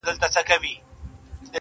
نړوم غرونه د تمي، له اوږو د ملایکو~